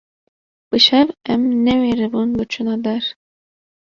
bi şev em newêribûn biçûna der